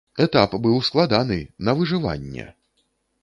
Этап быў складаны, на выжыванне!